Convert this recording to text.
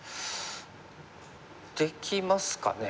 できますかね。